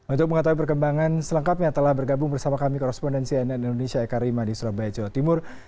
untuk mengetahui perkembangan selengkapnya telah bergabung bersama kami korespondensi nn indonesia eka rima di surabaya jawa timur